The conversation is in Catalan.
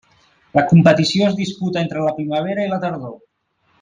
La competició es disputa entre la primavera i la tardor.